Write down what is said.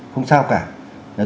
không sao cả